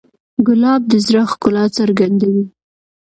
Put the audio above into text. ګلاب د زړه ښکلا څرګندوي.